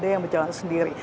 yang berjalan sendiri